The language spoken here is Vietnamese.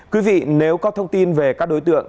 quý vị nếu có thông tin về các đối tượng